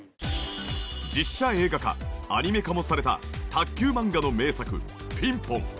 実写映画化アニメ化もされた卓球漫画の名作『ピンポン』。